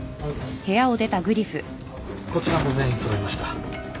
こちらも全員揃いました。